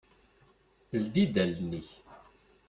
Ldi-d allen-ik.